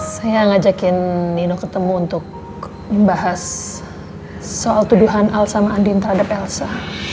saya ngajakin nino ketemu untuk membahas soal tuduhan al sama andin terhadap elsa